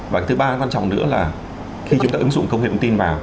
và cái thứ ba quan trọng nữa là khi chúng ta ứng dụng công nghệ thông tin vào